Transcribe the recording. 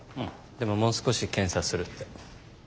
でももう少し検査するって。